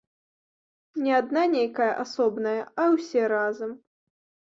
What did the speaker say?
Не адна нейкая асобная, а ўсе разам.